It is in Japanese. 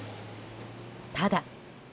ただ。